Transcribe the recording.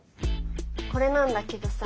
これなんだけどさ。